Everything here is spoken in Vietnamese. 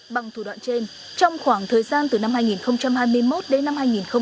bằng thủ đoạn trên trong khoảng thời gian từ năm hai nghìn hai mươi một đến năm hai nghìn hai mươi ba